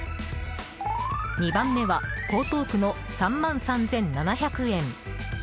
２番目は江東区の３万３７００円。